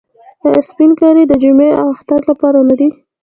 آیا سپین کالي د جمعې او اختر لپاره نه دي؟